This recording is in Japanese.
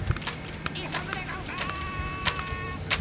急ぐでゴンス！